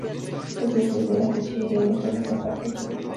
Los museos de la cuchillería muestran este arte al público.